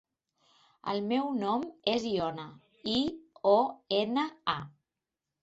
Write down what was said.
El meu nom és Iona: i, o, ena, a.